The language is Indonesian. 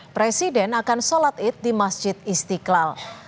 presiden akan sholat id di masjid istiqlal